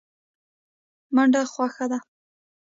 منډه خوښه ده.